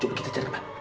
coba kita cari ke ben